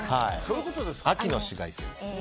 秋の紫外線。